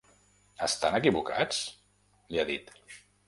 Estan equivocats?, li ha dit.